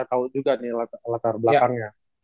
tahu juga nih latar belakangnya